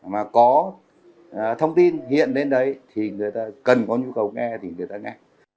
mà có thông tin hiện đến đấy thì người ta cần có nhu cầu nghe thì người ta nghe